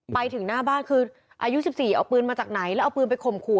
ไปถึงหน้าบ้านคืออายุ๑๔เอาปืนมาจากไหนแล้วเอาปืนไปข่มขู่